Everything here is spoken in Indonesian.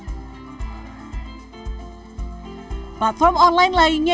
terus kita akan mencoba untuk memperbaiki video ini di platform online lainnya